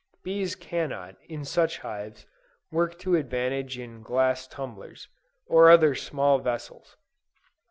Bees cannot, in such hives, work to advantage in glass tumblers, or other small vessels.